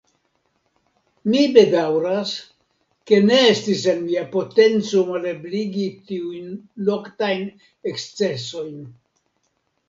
Mi bedaŭras, ke ne estis en mia potenco malebligi tiujn noktajn ekscesojn.